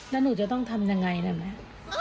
แล้วหนูจะต้องทำยังไงนะแม่